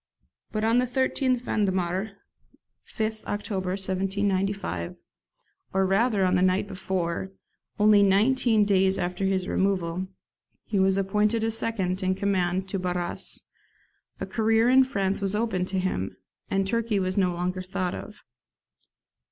But on the 13th Vendemiaire (5th October 1795), or rather on the night before, only nineteen days after his removal, he was appointed second in command to Barras, a career in France was opened to him, and Turkey was no longer thought of.